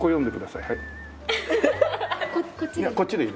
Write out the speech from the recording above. いやこっちでいい。